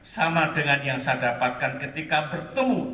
sama dengan yang saya dapatkan ketika bertemu